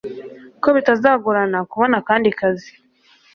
ko bitazagorana kubona akandi kazi